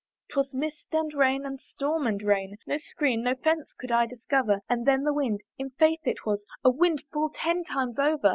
'Twas mist and rain, and storm and rain, No screen, no fence could I discover, And then the wind! in faith, it was A wind full ten times over.